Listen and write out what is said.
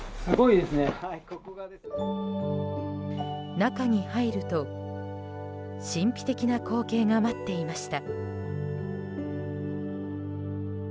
中に入ると神秘的な光景が待っていました。